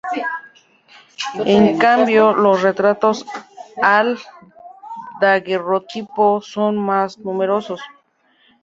En cambio, los retratos al daguerrotipo son más numerosos.